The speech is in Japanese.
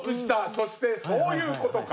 そしてそういう事か。